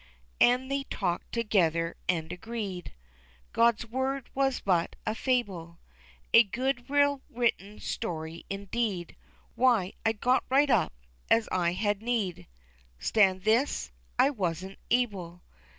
And they talked together, an' agreed God's word was but a fable, A good, well written story, indeed, Why I got right up, as I had need, Stand this? I wasn't able.